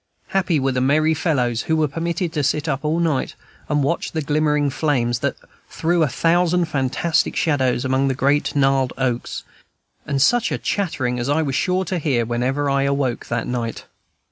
Happy were the merry fellows who were permitted to sit up all night, and watch the glimmering flames that threw a thousand fantastic shadows among the great gnarled oaks. And such a chattering as I was sure to hear whenever I awoke that night!